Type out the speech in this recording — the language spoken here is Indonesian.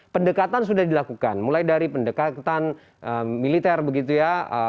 pendekatan sudah dilakukan mulai dari pendekatan militer begitu ya